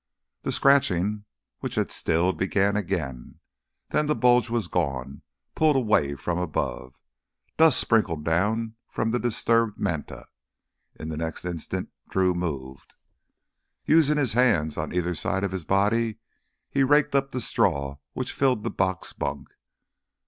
The scratching, which had stilled, began again. Then the bulge was gone, pulled away from above. Dust sprinkled down from the disturbed manta. In the next instant Drew moved. Using his hands on either side of his body, he raked up the straw which filled the box bunk.